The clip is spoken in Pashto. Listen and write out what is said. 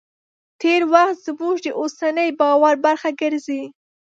تېر وخت زموږ د اوسني باور برخه ګرځي.